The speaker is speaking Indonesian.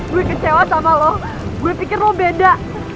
gua kecewa sama lu gua pikir lu beda